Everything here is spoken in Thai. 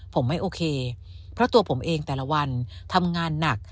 ผมไม่โอเคเพราะตัวผมเองแต่ละวันทำงานหนัก